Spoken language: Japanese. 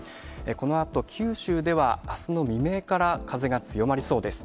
このあと、九州ではあすの未明から風が強まりそうです。